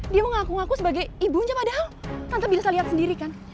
dia mau ngaku ngaku sebagai ibunya padahal tante bisa liat sendiri kan